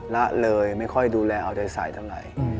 ละเลยไม่ค่อยดูแลเอาใจใสเท่าไหร่